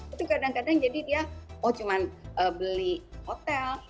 itu kadang kadang jadi dia oh cuma beli hotel